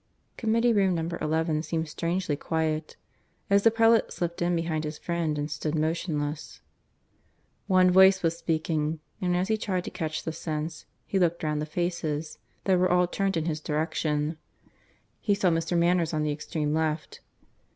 Committee room number XI seemed strangely quiet, as the prelate slipped in behind his friend and stood motionless. One voice was speaking; and, as he tried to catch the sense, he looked round the faces, that were all turned in his direction. He saw Mr. Manners on the extreme left.